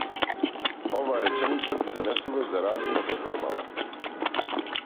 Оваа реченица придонесува за развој на платформава.